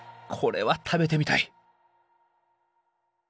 これは食べてみたい。